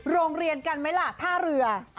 โรงเรียนกันไหมล่ะท่าเรือ